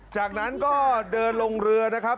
จากนั้นก็เดินลงเรือนะครับ